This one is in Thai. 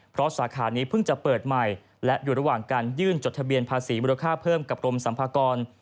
เพราะสาขานี้เพิ่งจะเปิดใหม่และอยู่ระหว่างการยื่นจดทะเบียนภาษีมูลค่าเพิ่มกับกรมสัมภากร